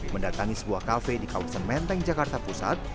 mendatangi sebuah kafe di kawasan menteng jakarta pusat